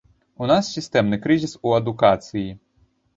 У нас сістэмны крызіс у адукацыі.